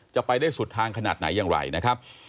จะไปได้สุดทางขนาดไหนอย่างไรนะครับ